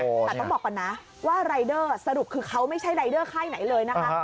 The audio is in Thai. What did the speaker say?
แต่ต้องบอกก่อนนะว่ารายเดอร์สรุปคือเขาไม่ใช่รายเดอร์ค่ายไหนเลยนะคะ